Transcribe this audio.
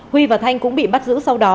huy và thanh cũng bị bắt giữ sau đó